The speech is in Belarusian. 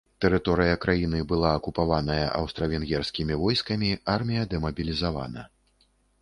Тэрыторыя краіны была акупаваная аўстра-венгерскімі войскамі, армія дэмабілізавана.